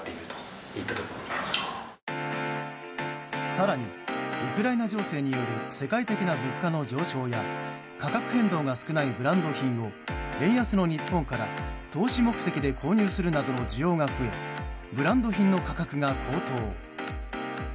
更にウクライナ情勢による世界的な物価の上昇や価格変動が少ないブランド品を円安の日本から投資目的で購入するなどの需要が増えブランド品の価格が高騰。